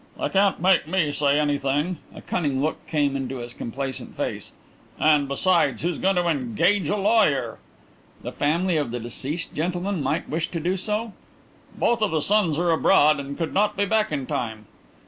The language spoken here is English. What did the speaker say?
"They can't make me say anything." A cunning look came into his complacent face. "And, besides, who's going to engage a lawyer?" "The family of the deceased gentleman might wish to do so." "Both of the sons are abroad and could not be back in time."